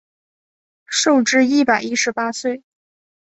寿至一百一十八岁。